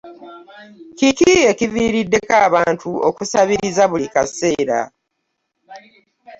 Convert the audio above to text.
Kiki ekiviiriddeko abantu okusabiriza buli kaseera?